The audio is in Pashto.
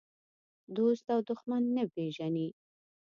دوست او دښمن نه پېژني.